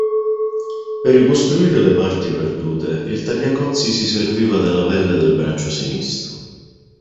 Per ricostruire le parti perdute il Tagliacozzi si serviva della pelle del braccio sinistro.